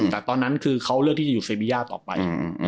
แต่ตอนนั้นคือเขาเลือกที่จะอยู่เซบีย่าต่อไป